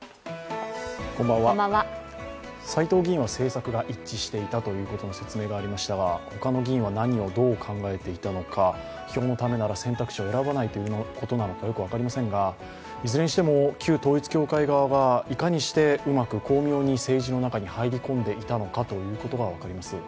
斎藤議員は政策が一致していたということの説明がありましたが他の議員は何をどう考えていたのか、票のためなら選択肢を選ばないということなのかよく分かりませんがいずれにしても旧統一教会側がいかに巧妙に政治の中に入り込んでいたのかということが分かります。